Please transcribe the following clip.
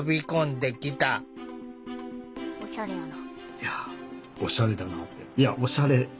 おしゃれやな。